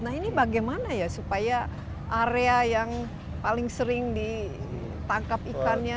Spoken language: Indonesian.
nah ini bagaimana ya supaya area yang paling sering ditangkap ikannya